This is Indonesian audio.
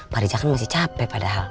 pak riza kan masih capek padahal